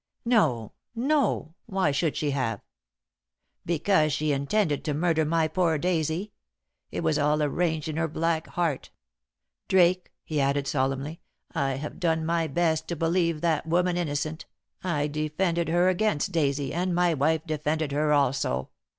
"No, no; why should she have?" "Because she intended to murder my poor Daisy. It was all arranged in her black heart. Drake," he added solemnly, "I have done my best to believe that woman innocent. I defended her against Daisy, and my wife defended her also.